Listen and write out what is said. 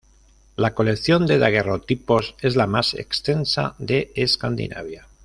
La colección de daguerrotipos es la más extensa de Escandinavia.